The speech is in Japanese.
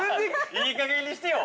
いいかげんにしてよ。